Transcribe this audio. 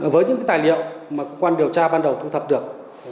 với những tài liệu mà cơ quan điều tra ban đầu thu thập được